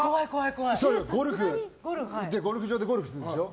ゴルフ場でゴルフするでしょ。